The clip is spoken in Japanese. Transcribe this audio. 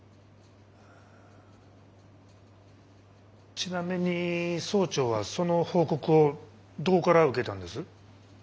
ちなみに総長はその報告をどこから受けたんです？